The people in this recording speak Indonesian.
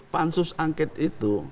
pansus angket itu